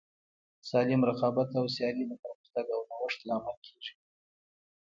سالم رقابت او سیالي د پرمختګ او نوښت لامل کیږي.